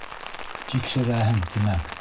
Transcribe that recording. Тикшерәһең, тимәк.